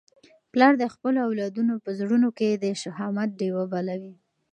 پلار د خپلو اولادونو په زړونو کي د شهامت ډېوه بلوي.